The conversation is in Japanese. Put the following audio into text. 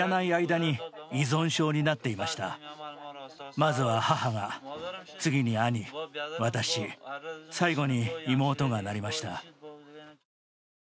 まずは母が、次に兄、私、最後に妹がなりました。